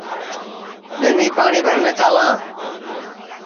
ٻینی پاٹؔی بھرنے چالاں